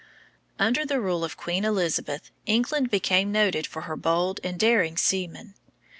Under the rule of Queen Elizabeth England became noted for her bold and daring seamen.